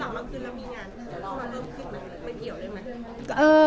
มันเริ่มขึ้นมั้ยมันเกี่ยวได้มั้ย